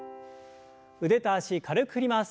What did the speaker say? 腕と脚軽く振ります。